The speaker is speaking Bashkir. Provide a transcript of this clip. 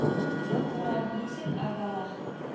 Был урам нисек агала?